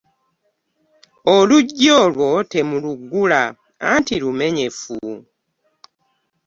Oluggi olwo temuluggula, anti lumenyefu.